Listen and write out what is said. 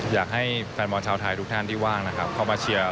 อยากให้แฟนบอลชาวไทยทุกท่านที่ว่างนะครับเข้ามาเชียร์